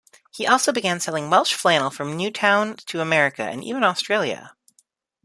He also began selling Welsh flannel from Newtown to America and even Australia.